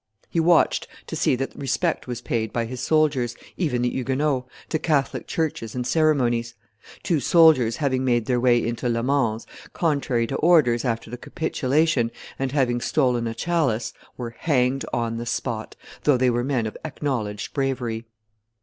He watched to see that respect was paid by his soldiers, even the Huguenots, to Catholic churches and ceremonies. Two soldiers, having made their way into Le Mans, contrary to orders, after the capitulation, and having stolen a chalice, were hanged on the spot, though they were men of acknowledged bravery.